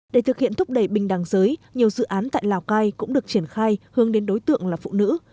để thực hiện thúc đẩy bình đẳng giới nhiều dự án tại lào cai cũng được triển khai hướng đến đối tượng là phụ nữ